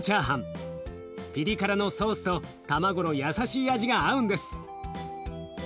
ピリ辛のソースと卵の優しい味が合うんです。